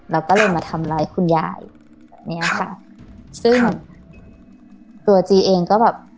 แล้วก็เลยมาทำร้ายคุณยายแบบเนี้ยค่ะซึ่งตัวจีเองก็แบบ